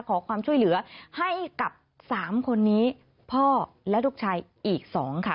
ขอความช่วยเหลือให้กับ๓คนนี้พ่อและลูกชายอีก๒ค่ะ